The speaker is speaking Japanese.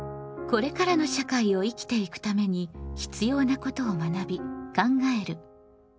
これからの社会を生きていくために必要なことを学び考える「公共」。